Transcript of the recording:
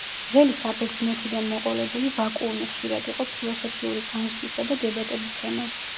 ძველი საბერძნეთიდან მოყოლებული ვაკუუმი ხშირად იყო ფილოსოფიური განსჯისა და დებატების თემა.